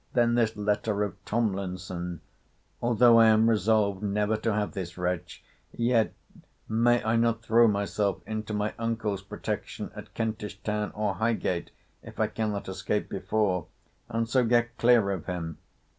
Then this letter of Tomlinson!—— 'Although I am resolved never to have this wretch, yet, may I not throw myself into my uncle's protection at Kentish town, or Highgate, if I cannot escape before: and so get clear of him?